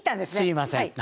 すいません。